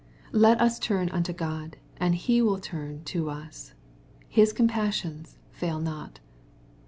Let us turn unto God, and He will turn to us. His compassions fail not.